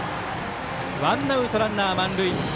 ワンアウト、ランナー満塁。